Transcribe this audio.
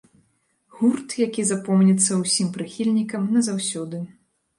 Гурт, які запомніцца ўсім прыхільнікам назаўсёды.